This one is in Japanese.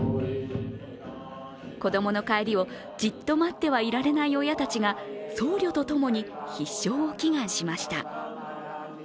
子供の帰りをじっと待ってはいられない親たちが僧侶と共に必勝を祈願しました。